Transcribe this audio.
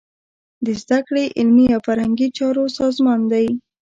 د زده کړې، علمي او فرهنګي چارو سازمان دی.